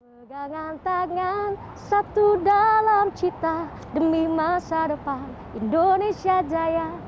pegangan tangan satu dalam cita demi masa depan indonesia jaya